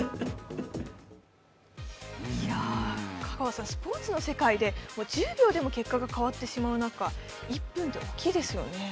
香川さん、スポーツの世界で１０秒でも結果が変わってしまう中、１分って大きいですよね。